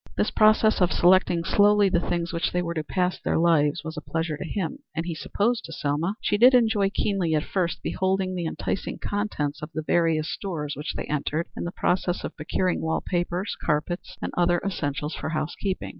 This process of selecting slowly the things with which they were to pass their lives was a pleasure to him, and, as he supposed, to Selma. She did enjoy keenly at first beholding the enticing contents of the various stores which they entered in the process of procuring wall papers, carpets, and the other essentials for house keeping.